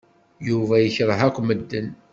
Yuba yekṛeh akk medden.